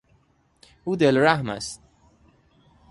او دل رحم است.